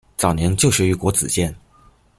早年就学于国子监。